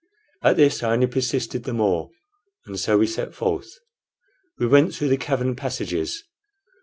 At this I only persisted the more, and so we set forth. We went through the cavern passages.